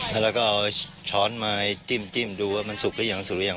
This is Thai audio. แล้วเราก็เอาช้อนมาจิ้มดูว่ามันสุกหรือยังสุกหรือยัง